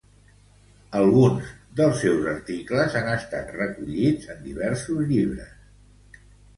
Alguns dels seus articles han estat recollits en diversos llibres.